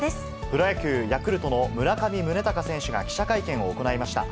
プロ野球・ヤクルトの村上宗隆選手が記者会見を行いました。